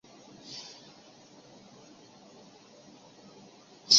这一变故导致乔清秀精神失常。